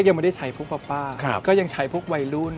มาได้ใช้พวกป้าป้าก็ยังใช้พวกวัยรุ่น